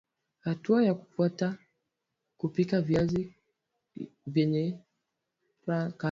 Hatua za kufuata kupika viazi vyenye karanga